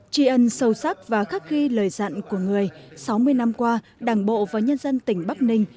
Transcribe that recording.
tri ân sâu sắc và khắc ghi lời dặn của người sáu mươi năm qua đảng bộ và nhân dân tỉnh bắc ninh